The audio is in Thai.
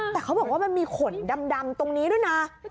แต่เขาบอกว่ามันมีขนดำตรงนี้ด้วยนะ